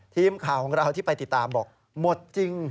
ทีมข่าวของเราที่ไปติดตามบอกหมดจริง